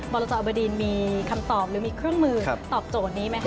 รจอบดินมีคำตอบหรือมีเครื่องมือตอบโจทย์นี้ไหมค